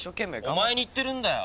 お前に言ってるんだよ！